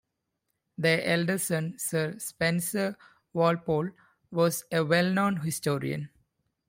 Their elder son Sir Spencer Walpole was a well-known historian.